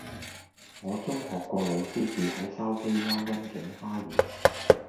我中學個老師住喺筲箕灣欣景花園